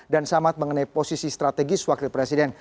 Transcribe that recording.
dan samad mengenai posisi strategis wakil presiden